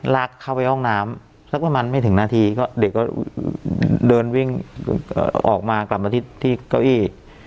ลากเข้าไปห้องน้ำสักประมาณไม่ถึงนาทีก็เด็กก็เดินวิ่งออกมากลับมาที่เก้าอี้